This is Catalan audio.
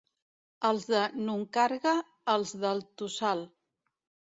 Els de Nuncarga, els del tossal.